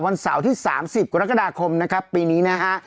วันเสาร์ที่สามสิบแล้วก็ดาคมนะครับปีนี้นะฮะ